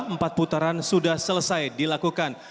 empat putaran sudah selesai dilakukan